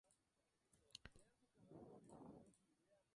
Está localizado al lado de Salvador.